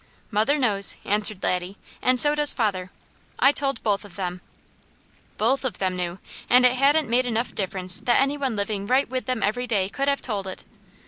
"Mother knows," answered Laddie, "and so does father. I told both of them." Both of them knew! And it hadn't made enough difference that any one living right with them every day could have told it.